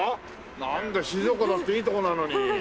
なんだ静岡だっていいとこなのに。